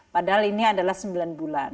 padahal ini adalah sembilan bulan